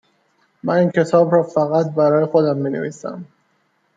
من این کتاب را فقط برای خودم می نویسم